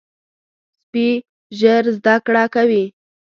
سپي ژر زده کړه کوي.